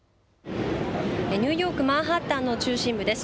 ニューヨーク、マンハッタンの中心部です。